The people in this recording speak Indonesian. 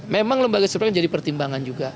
memang lembaga survei jadi pertimbangan juga